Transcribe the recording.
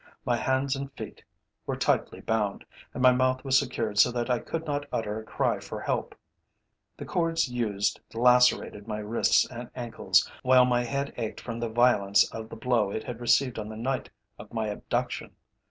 My hands and feet were tightly bound, and my mouth was secured so that I could not utter a cry for help. The cords used lacerated my wrists and ankles, while my head ached from the violence of the blow it had received on the night of my abduction.